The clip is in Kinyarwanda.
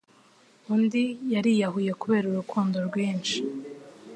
Undi yariyahuye kubera urukundo rwinshi